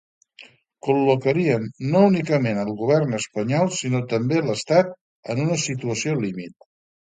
Col·locarien, no únicament el govern espanyol, sinó també l’estat, en una situació límit.